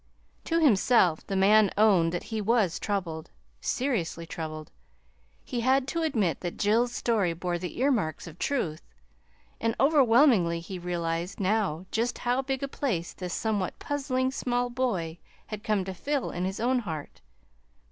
To himself the man owned that he was troubled, seriously troubled. He had to admit that Jill's story bore the earmarks of truth; and overwhelmingly he realized now just how big a place this somewhat puzzling small boy had come to fill in his own heart.